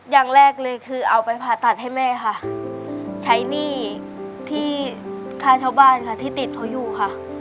อย่างแรกเลยคือเอาไปผ่าตัดให้แม่ค่ะใช้หนี้ที่ค่าเช่าบ้านค่ะที่ติดเขาอยู่ค่ะ